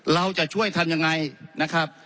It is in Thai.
เราจะช่วยทำยังไงนะครับ